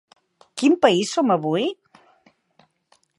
Quin país som avui?